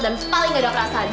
dan paling gak ada perasaan